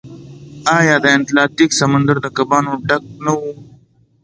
آیا د اتلانتیک سمندر د کبانو ډک نه و؟